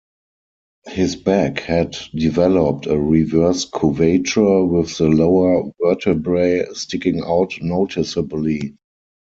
His back had developed a reverse curvature, with the lower vertebrae sticking out noticeably.